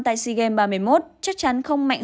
tại sea games ba mươi một chắc chắn không mạnh